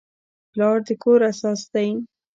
پلار د کور اساس دی.